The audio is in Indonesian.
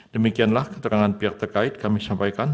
demikianlah keterangan pihak terkait kami sampaikan